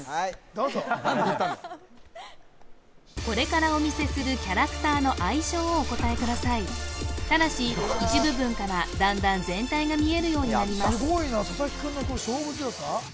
どうぞこれからお見せするキャラクターの愛称をお答えくださいただし一部分からだんだん全体が見えるようになります